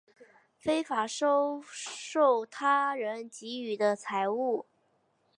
非法收受他人给予的财物